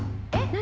何？